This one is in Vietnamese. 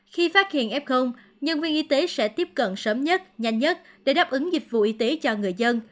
khi phát hiện f nhân viên y tế sẽ tiếp cận sớm nhất nhanh nhất để đáp ứng dịch vụ y tế cho người dân